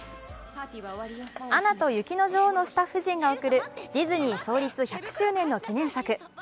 「アナと雪の女王」のスタッフ陣が贈るディズニー創立１００周年の記念作。